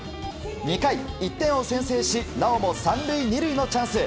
２回、１点を先制しなおも３塁２塁のチャンス。